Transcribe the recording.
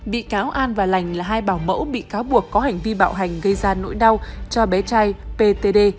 bị cáo an và lành là hai bảo mẫu bị cáo buộc có hành vi bạo hành gây ra nỗi đau cho bé trai ptd